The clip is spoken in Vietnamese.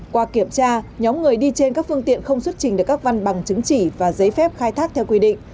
qua kiểm tra nhóm người đi trên các phương tiện không xuất trình được các văn bằng chứng chỉ và giấy phép khai thác theo quy định